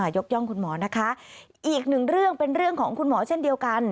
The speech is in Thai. ยกย่องคุณหมอนะคะอีกหนึ่งเรื่องเป็นเรื่องของคุณหมอเช่นเดียวกัน